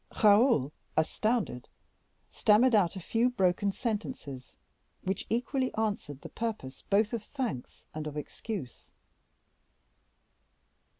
Raoul, astounded, stammered out a few broken sentences, which equally answered the purpose both of thanks and of excuse.